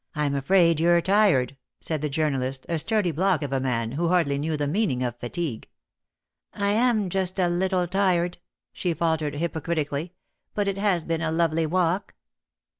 Vm afraid you're tired," said the journalist, a sturdy block of a man, who hardly knew the meaning of fatigue. " I am just a little tired," she faltered hypo critically, "but it has been a lovely walk."